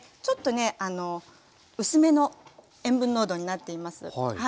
ちょっとね薄めの塩分濃度になっています。